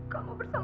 kamu bersama ade